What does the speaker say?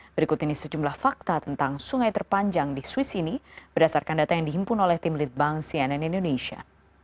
berikut ini sejumlah fakta tentang sungai terpanjang di swiss ini berdasarkan data yang dihimpun oleh tim litbang cnn indonesia